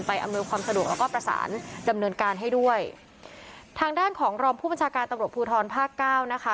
อำนวยความสะดวกแล้วก็ประสานดำเนินการให้ด้วยทางด้านของรองผู้บัญชาการตำรวจภูทรภาคเก้านะคะ